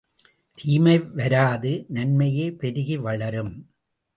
தீமை வராது நன்மையே பெருகி வளரும்!